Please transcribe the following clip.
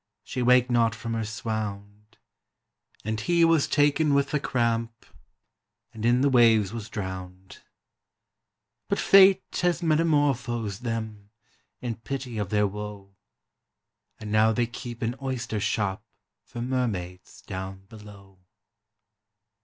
she waked not from her swound, And he was taken with the cramp, and in the waves was drowned; But Fate has metamorphosed them, in pity of their woe, And now they keep an oyster shop for mermaids down below.